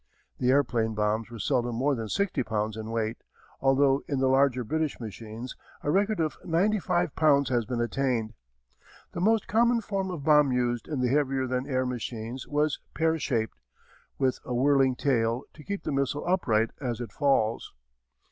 The airplane bombs were seldom more than sixty pounds in weight, although in the larger British machines a record of ninety five pounds has been attained. The most common form of bomb used in the heavier than air machines was pear shaped, with a whirling tail to keep the missile upright as it falls.